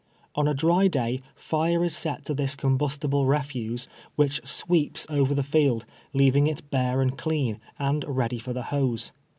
On a dry day fire is set to this combus tible refuse, which sweeps over the field, leaving it bare and clean, and ready for the hoes.